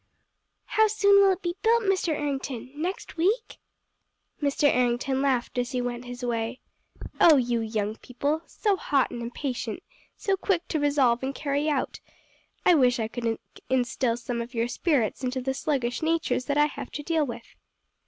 "How soon will it be built, Mr. Errington, next week?" Mr. Errington laughed as he went his way. "Oh, you young people! So hot and impatient, so quick to resolve and carry out. I wish I could instill some of your spirits into the sluggish natures that I have to deal with!"